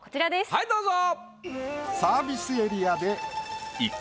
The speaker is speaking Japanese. はいどうぞ。